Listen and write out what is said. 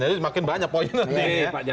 jadi makin banyak poin nanti ya